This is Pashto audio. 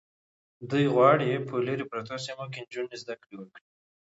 دوی غواړي په لرې پرتو سیمو کې نجونې زده کړې وکړي.